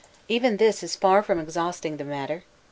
jpg Tables] Even this is far from exhausting the matter.